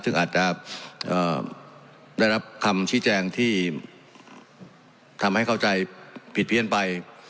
ซึ่งอาจจะได้รับคำชี้แจงที่ทำให้เข้าใจผิดเพี้ยนไป